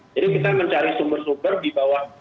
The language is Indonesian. jadi kita mencari sumber sumber di bawah